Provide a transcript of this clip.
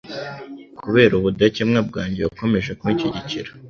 Kubera ubudakemwa bwanjye wakomeje kunshyigikira